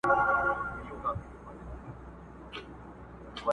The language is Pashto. لا لکه غر پر لمن کاڼي لري!!